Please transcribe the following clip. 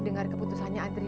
dengan keputusannya adrian